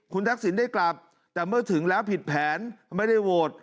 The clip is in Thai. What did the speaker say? คุณทักษิณได้กลับแต่เมื่อถึงแล้วผิดแผนไม่ได้โหวต